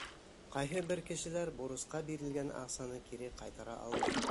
Ҡайһы бер кешеләр бурысҡа бирелгән аҡсаны кире ҡайтара алмай.